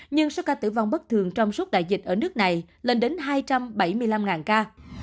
nhưng số ca tử vong bất thường trong suốt đại dịch ở nước này lên đến hai trăm bảy mươi năm ca